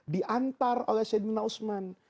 diantar oleh sayyidina usman